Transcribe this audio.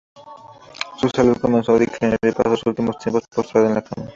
Su salud comenzó a declinar y pasó sus últimos tiempos postrada en la cama.